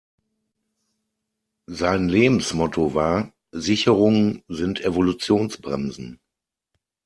Sein Lebensmotto war: Sicherungen sind Evolutionsbremsen.